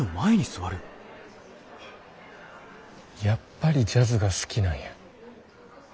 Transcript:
やっぱりジャズが好きなんや。